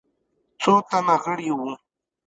څو تنه غړي وه.